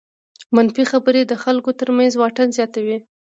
منفي خبرې د خلکو تر منځ واټن زیاتوي.